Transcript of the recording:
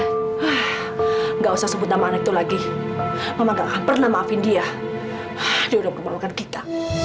enggak usah sebut nama anak itu lagi mama enggak akan pernah maafin dia dia udah memperlukan kita